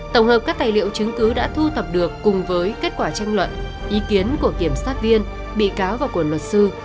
tổng hợp các tài liệu chứng cứ đã thu thập được cùng với kết quả tranh luận ý kiến của kiểm sát viên bị cáo và của luật sư